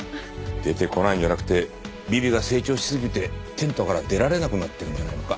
出てこないんじゃなくてビビが成長しすぎてテントから出られなくなってるんじゃないのか？